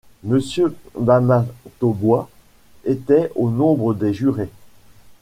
Monsieur Bamatabois était au nombre des jurés.